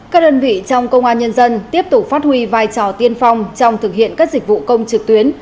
các đơn vị trong công an nhân dân tiếp tục phát huy vai trò tiên phong trong thực hiện các dịch vụ công trực tuyến